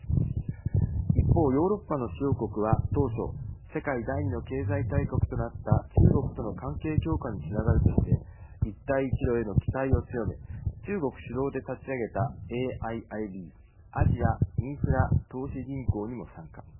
一方ヨーロッパの主要国は当初世界第２の経済大国となった中国との関係強化につながるとして一帯一路への期待を強め中国主導で立ち上げたＡＩＩＢ＝アジアインフラ投資銀行にも参加。